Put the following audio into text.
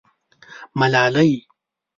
_ملالۍ.